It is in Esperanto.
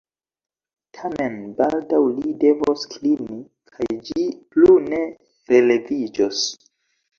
Tamen baldaŭ li devos klini, kaj ĝi plu ne releviĝos.